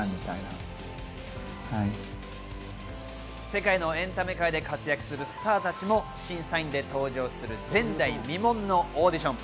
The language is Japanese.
世界のエンタメ界で活躍するスターたちも審査員で登場する前代未聞のオーディション。